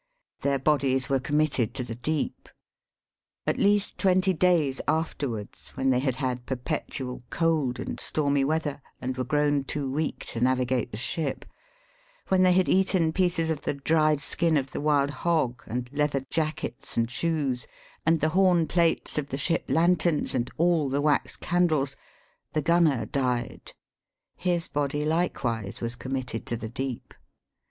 Their bodies were committed to the deep. At least twenty days afterwards, when they had had perpetual cold and stormy weather, and were grown too weak to navigate the ship ; when they had eaten pieces of the dried skin of the wild hog, and leather jackets and shoes, and the horn plates of the ship lanterns, and all the wax candles ; the gunner died. His body likewise, was committed to the deep.